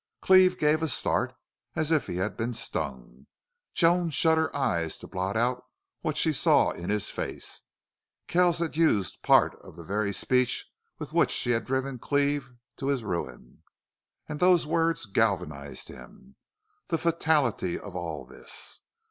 Cleve gave a start as if he had been stung. Joan shut her eyes to blot out what she saw in his face. Kells had used part of the very speech with which she had driven Jim Cleve to his ruin. And those words galvanized him. The fatality of all this!